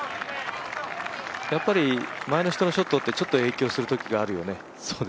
前の人のショットってちょっと影響するときあるよね。